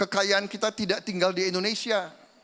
kekayaan kita tidak tinggal di indonesia